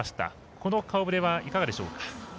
この顔ぶれはいかがでしょうか。